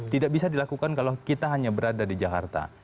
tidak bisa dilakukan kalau kita hanya berada di jakarta